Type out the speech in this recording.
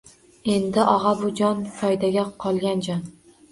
Endi, og‘a, bu jon — foydaga qolgan jon.